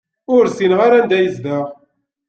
Ur ssineɣ anda yezdeɣ.